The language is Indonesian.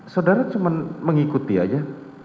saudara cuma mengikuti aja